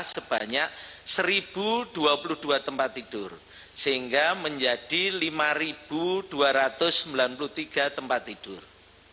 sebanyak satu dua puluh dua tempat tidur sehingga menjadi lima dua ratus sembilan puluh tiga tempat tidur